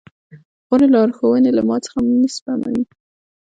غورې لارښوونې له ما څخه نه سپموي.